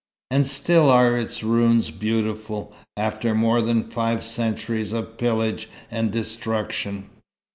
And still are its ruins beautiful, after more than five centuries of pillage and destruction.